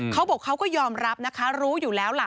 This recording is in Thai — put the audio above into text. เขาบอกเขาก็ยอมรับนะคะรู้อยู่แล้วล่ะ